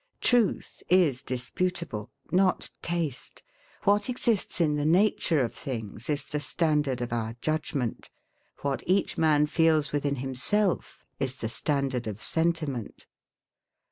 Truth is disputable; not taste: what exists in the nature of things is the standard of our judgement; what each man feels within himself is the standard of sentiment.